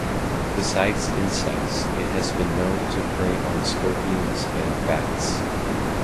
Besides insects it has been known to prey on scorpions and bats.